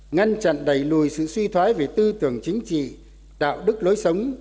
ngăn chặn đẩy lùi sự suy thoái về tư tưởng chính trị đạo đức lối sống